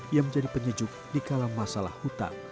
ia menjadi penyejuk di kalam masalah hutan